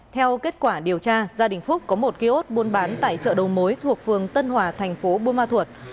theo kết quả điều tra gia đình phúc có một kiosk buôn bán tại chợ đầu mối thuộc phường tân hòa thành phố buôn ma thuột